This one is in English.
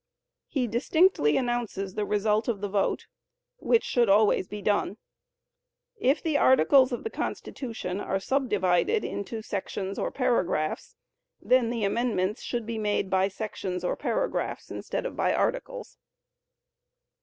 He distinctly announces the result of the vote, which should always be done. If the articles of the Constitution are subdivided into sections or paragraphs, then the amendments should be made by sections or paragraphs, instead of by articles.